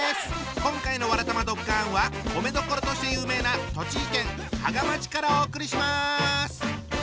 今回の「わらたまドッカン」は米どころとして有名な栃木県芳賀町からお送りします！